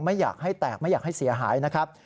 ไม่อยากให้แตกไม่อยากให้เสียหายนะครับ